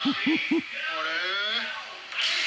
「あれ？